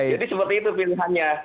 jadi seperti itu pilihannya